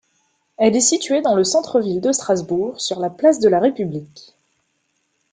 Elle est située dans le centre-ville de Strasbourg, sur la place de la République.